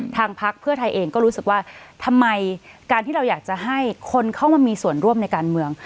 พักเพื่อไทยเองก็รู้สึกว่าทำไมการที่เราอยากจะให้คนเข้ามามีส่วนร่วมในการเมือง